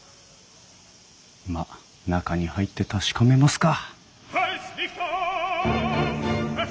まっ中に入って確かめますか。